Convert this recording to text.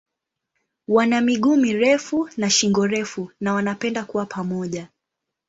Wana miguu mirefu na shingo refu na wanapenda kuwa pamoja.